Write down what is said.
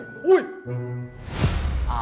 อ้าวไฟดำ